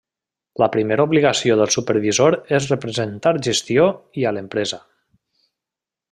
La primera obligació del supervisor és representar gestió i a l'empresa.